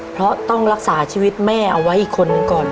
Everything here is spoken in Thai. เพราะต้องรักษาชีวิตแม่เอาไว้อีกคนหนึ่งก่อน